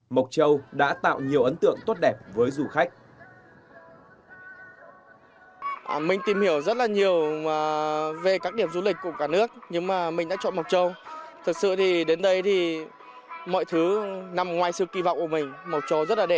mộc châu đã tạo nhiều ấn tượng tốt đẹp với du khách